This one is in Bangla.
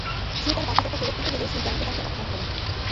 সে তার বাকি টাকা ফেরত নিতে গেলে সেই জয়ন্ত তাকে অপমান করে।